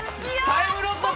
タイムロスだ。